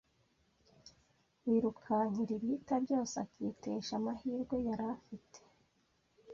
wirukankira ibihita byose akitesha amahirwe yari afite